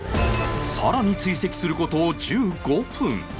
更に追跡する事１５分